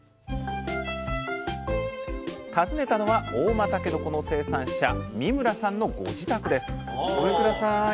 訪ねたのは合馬たけのこの生産者三村さんのご自宅ですごめんください。